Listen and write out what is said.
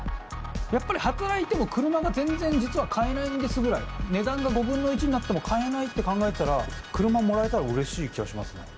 やっぱり働いても車が全然実は買えないんですぐらい値段が５分の１になっても買えないって考えたら車もらえたらうれしい気がしますね。